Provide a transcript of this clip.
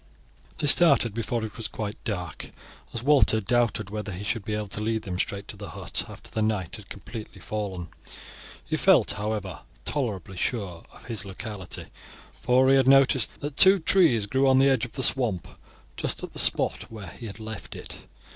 They started before it was quite dark, as Walter doubted whether he should be able to lead them straight to the hut after the night had completely fallen. He felt, however, tolerably sure of his locality, for he had noticed that two trees grew on the edge of the swamp just at the spot where he had left it.